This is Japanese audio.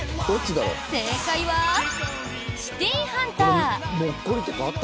正解は「シティーハンター」。